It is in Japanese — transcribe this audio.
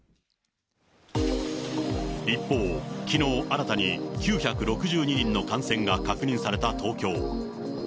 一方、きのう、新たに９６２人の感染が確認された東京。